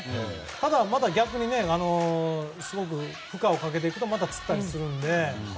ただ、また逆にすごく負荷をかけてつったりするので。